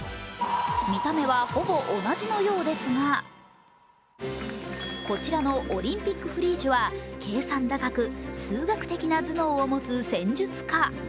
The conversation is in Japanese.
見た目はほぼ同じのようですがこちらのオリンピックフリージュは計算高く、数学的な頭脳を持つ戦術家。